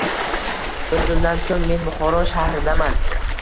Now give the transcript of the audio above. Bir zumdan so‘ng men Buxoro shahridaamn